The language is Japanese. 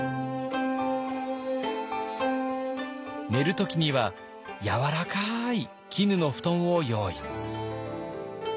寝る時にはやわらかい絹の布団を用意。